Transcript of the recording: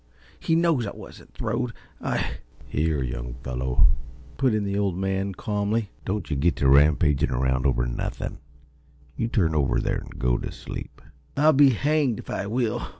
He knows I wasn't throwed. I " "Here, young fellow," put in the Old Man, calmly, "don't yuh git t' rampagin' around over nothin'! You turn over there an' go t' sleep." "I'll be hanged if I will!"